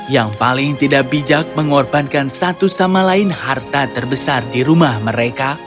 yang paling tidak bijak mengorbankan satu sama lain harta terbesar di rumah mereka